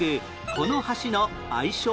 この橋の愛称は？